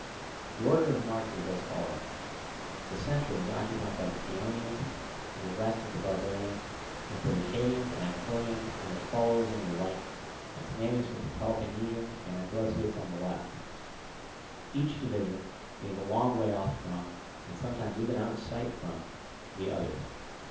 The order of march was as follows: the centre was occupied by the Chaonians and the rest of the barbarians, with the Leucadians and Anactorians and their followers on the right, and Cnemus with the Peloponnesians and Ambraciots on the left; each division being a long way off from, and sometimes even out of sight of, the others.